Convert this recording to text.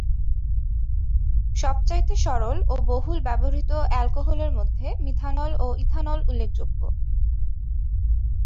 সবচাইতে সরল ও বহুল ব্যবহৃত অ্যালকোহলের মধ্যে মিথানল ও ইথানল উল্লেখযোগ্য।